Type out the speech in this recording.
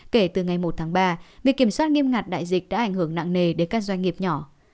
kể từ ngày một tháng ba việc kiểm soát nghiêm ngặt đại dịch đã ảnh hưởng nặng nề đến các doanh nghiệp nhỏ